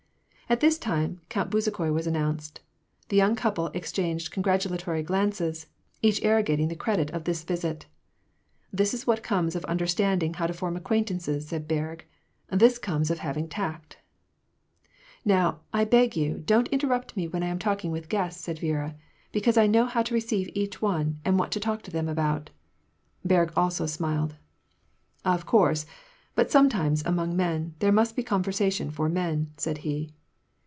At this time, Count Bezukhoi was announced. The young couple exchanged congratulatory glances, each arrogating the credit of this visit. ''This is what comes of understanding how to form acquaintances," said Berg. " This comes of having tact !"" Now, I beg of you, don't interrupt me when I am talking with guests," said Viera. " Because I know how to receive each one, and what to talk to them about." Berg also smiled. " Of course ; but sometimes, among men, there must be con versation for men," said he.